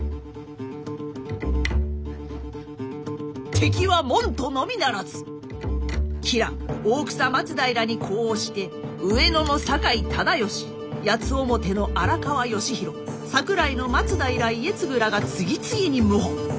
敵は門徒のみならず吉良大草松平に呼応して上野の酒井忠尚八ツ面の荒川義広桜井の松平家次らが次々に謀反。